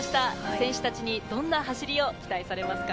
選手たちにどんな走りを期待されますか？